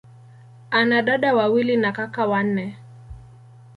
Ana dada wawili na kaka wanne.